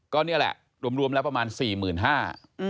ก็นี่แหละรวมแล้วประมาณสี่หมื่นห้า